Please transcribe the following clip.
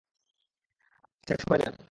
আচ্ছা, সরে যান!